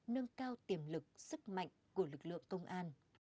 nâng cao tiềm lực sức mạnh của lực lượng công an